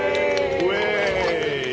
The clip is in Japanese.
ウエーイ！